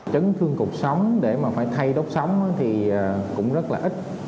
chấn thương cuộc sống để mà phải thay đốt sóng thì cũng rất là ít